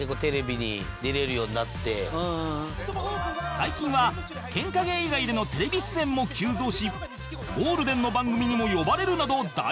最近はケンカ芸以外でのテレビ出演も急増しゴールデンの番組にも呼ばれるなど大活躍